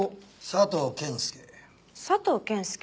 佐藤謙介？